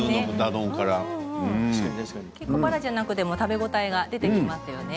バラじゃなくても食べ応えが出てきますね。